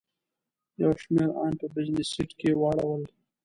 یو شمېر ان په بزنس سیټ کې واړول.